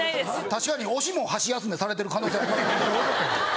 確かに推しも箸休めされてる可能性ありますもんね。